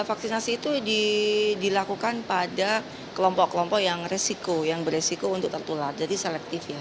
vaksinasi itu dilakukan pada kelompok kelompok yang resiko yang beresiko untuk tertular jadi selektif ya